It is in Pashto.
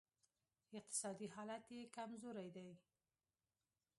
اقتصادي حالت یې کمزوری دی